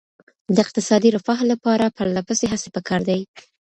د اقتصادي رفاه لپاره پرله پسې هڅې پکار دي.